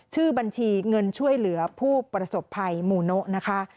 ชื่อบัญชีเงินช่วยเหลือผู้ประสบภัยมูโนะนะคะ